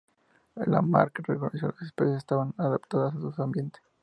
Lamarck reconoció que las especies estaban adaptadas a su ambiente.